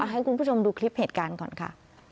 ให้คุณผู้ชมดูคลิปเหตุการณ์ก่อนค่ะ